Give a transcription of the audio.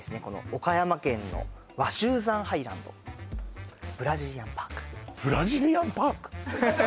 岡山県の鷲羽山ハイランドブラジリアンパークブラジリアンパーク